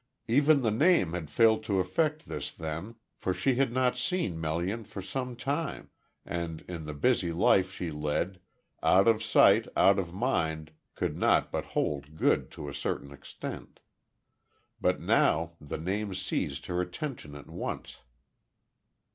Even the name had failed to effect this then for she had not seen Melian for some time, and in the busy life she led, "out of sight out of mind" could not but hold good to a certain extent. But now the name seized her attention at once.